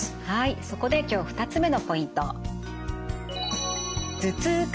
はいそこで今日２つ目のポイント。